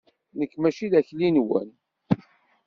Nekk mačči d akli-nwen.